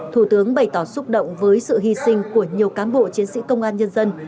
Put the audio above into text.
thủ tướng bày tỏ xúc động với sự hy sinh của nhiều cán bộ chiến sĩ công an nhân dân